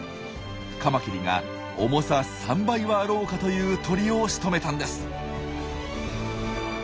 カマキリが重さ３倍はあろうかという鳥をしとめたんです。